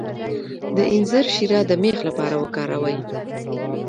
د انځر شیره د میخ لپاره وکاروئ